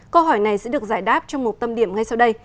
câu hỏi này sẽ được giải đáp trong một tâm điểm ngay sau đây